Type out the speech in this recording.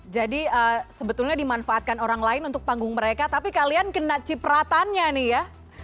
sebetulnya dimanfaatkan orang lain untuk panggung mereka tapi kalian kena cipratannya nih ya